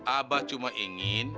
abah cuma ingin